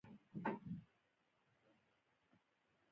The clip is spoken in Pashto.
افغان لوبغاړي د خپلې خوښۍ لپاره نه، بلکې د وطن لپاره لوبه کوي.